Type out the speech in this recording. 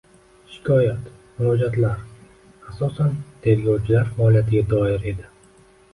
Shikoyat, murojaatlar, asosan, tergovchilar faoliyatiga doir edi.